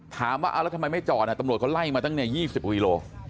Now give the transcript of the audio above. ถามว่าแล้วทำไมไม่จอดตำรวจเขาไล่มาตั้ง๒๐กิโล